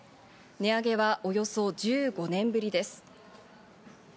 値上げはおよそ１５年ぶりです。